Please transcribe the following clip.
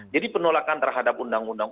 jadi penolakan terhadap undang undang